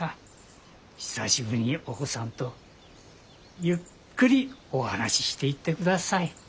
久しぶりにお子さんとゆっくりお話ししていってください。